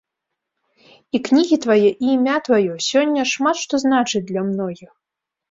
І кнігі твае і імя тваё сёння шмат што значаць для многіх.